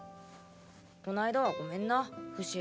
こないだはごめんなフシ。